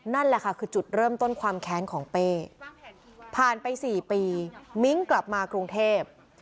นั่นแหละค่ะคือจุดเริ่มต้นความแค้นของเป้ผ่านไป๔ปีมิ้งกลับมากรุงเทพ